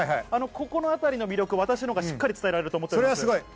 ここの魅力は私がしっかり伝えられると思っております。